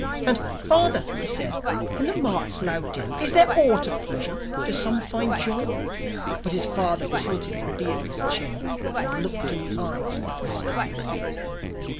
And, "Father," he said, "in the mart's loud din Is there aught of pleasure? Do some find joy?" But his father tilted the beardless chin, And looked in the eyes of the questing boy.